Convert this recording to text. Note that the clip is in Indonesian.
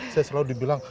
saya selalu dibilang